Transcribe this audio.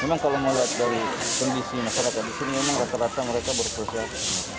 memang kalau melihat dari kondisi masyarakat di sini emang rata rata mereka berpercaya